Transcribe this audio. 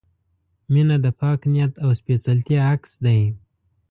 • مینه د پاک نیت او سپېڅلتیا عکس دی.